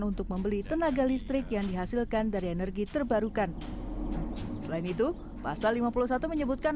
untuk membeli tenaga listrik yang dihasilkan dari energi terbarukan selain itu pasal lima puluh satu menyebutkan